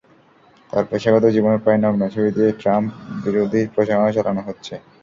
তাঁর পেশাগত জীবনের প্রায় নগ্ন ছবি দিয়ে ট্রাম্প-বিরোধী প্রচারণা চালানো হচ্ছে।